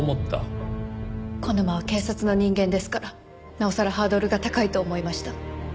小沼は警察の人間ですからなおさらハードルが高いと思いました。